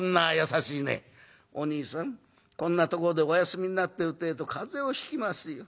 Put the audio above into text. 『おにいさんこんなとこでお休みになってるてえと風邪をひきますよ。